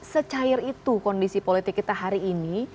secair itu kondisi politik kita hari ini